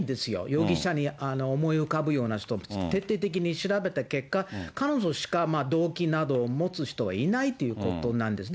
容疑者に思い浮かぶような人、徹底的に調べた結果、彼女しか動機などを持つ人はいないっていうことなんです。